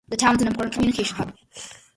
The town is an important communication hub.